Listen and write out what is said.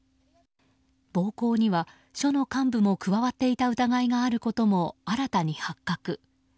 暴行には署の幹部も加わっていた疑いがあることも新たに発覚。